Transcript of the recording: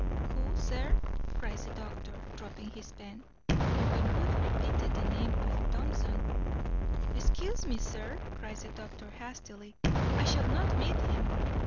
"Who, sir?" cries the doctor, dropping his pen; and when Booth repeated the name of Thompson, "Excuse me, sir," cries the doctor hastily, "I shall not meet him."